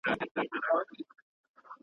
که یوازي دي په نحو خوله خوږه ده.